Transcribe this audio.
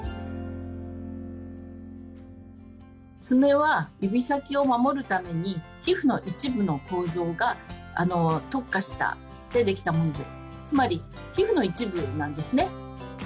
爪が小さい爪は指先を守るために皮膚の一部の構造があの特化したで出来たものでつまり皮膚の一部なんですね。